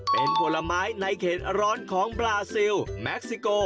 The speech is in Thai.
เป็นผลไม้ในเขตร้อนของบราซิลแม็กซิโก